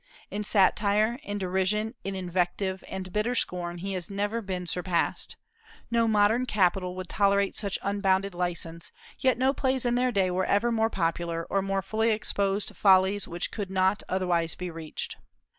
In satire, in derision, in invective, and bitter scorn he has never been surpassed. No modern capital would tolerate such unbounded license; yet no plays in their day were ever more popular, or more fully exposed follies which could not otherwise be reached.